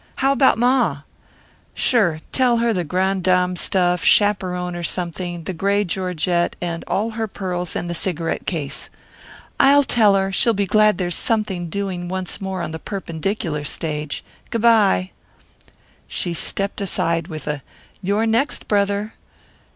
How about Ma?" "Sure! Tell her grand dame stuff, chaperone or something, the gray georgette and all her pearls and the cigarette case." "I'll tell her. She'll be glad there's something doing once more on the perpendicular stage. Goo' by." She stepped aside with "You're next, brother!"